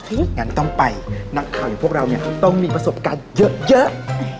อุ๊ยอย่างนั้นต้องไปนักข่าวอยู่พวกเรานี่ต้องมีประสบการณ์เยอะเยอะ